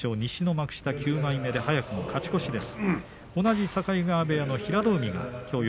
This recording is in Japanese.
幕下９枚目で早くも勝ち越しです。